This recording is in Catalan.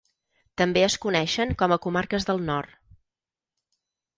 També es coneixen com a Comarques del Nord.